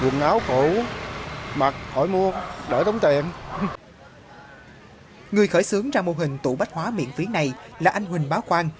người khởi xướng ra mô hình tù bách hóa miễn phí này là anh huỳnh bá quang